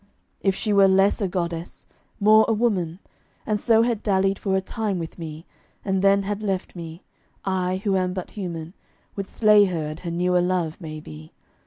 If she were less a goddess, more a woman, And so had dallied for a time with me, And then had left me, I, who am but human, Would slay her and her newer love, maybe.